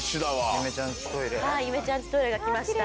ゆめちゃんちトイレが来ました。